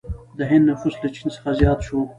د هند نفوس له چین څخه زیات شو.